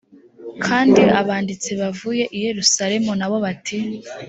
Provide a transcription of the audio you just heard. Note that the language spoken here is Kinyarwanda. kandi abanditsi bavuye i yerusalemu na bo bati